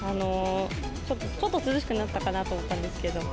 ちょっと涼しくなったかなと思ったんですけど。